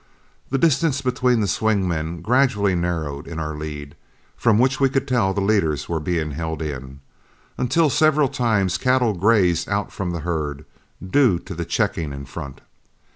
The distance between the swing men gradually narrowed in our lead, from which we could tell the leaders were being held in, until several times cattle grazed out from the herd, due to the checking in front.